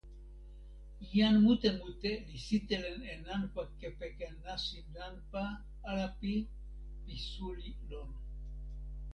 jan mute mute li sitelen e nanpa kepeken nasin nanpa Alapi pi suli lon.